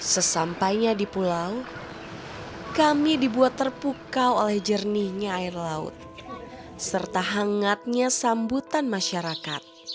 sesampainya di pulau kami dibuat terpukau oleh jernihnya air laut serta hangatnya sambutan masyarakat